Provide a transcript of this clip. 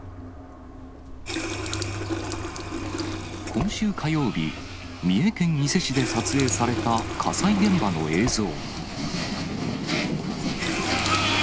今週火曜日、三重県伊勢市で撮影された火災現場の映像。